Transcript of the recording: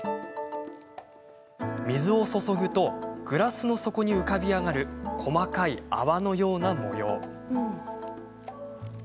水を注ぐとグラスの底に浮かび上がる細かい泡のような模様。